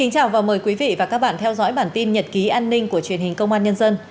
chào mừng quý vị đến với bản tin nhật ký an ninh của truyền hình công an nhân dân